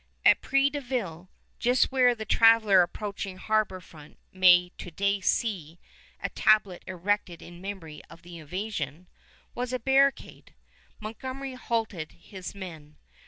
At Près de Ville, just where the traveler approaching harbor front may to day see a tablet erected in memory of the invasion, was a barricade. Montgomery halted his men.